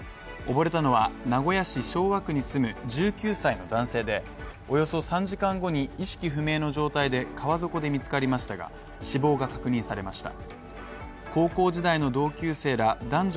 溺れたのは、名古屋市昭和区に住む１９歳の男性で、およそ３時間後に意識不明の状態で川底で見つかりましたが、死亡が確認されました。